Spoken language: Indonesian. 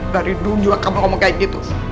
dari dulu juga kamu ngomong kayak gitu